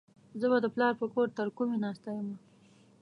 زه به د پلار په کور ترکمي ناسته يمه.